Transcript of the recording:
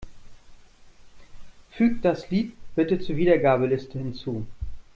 Füg das Lied bitte zur Wiedergabeliste hinzu.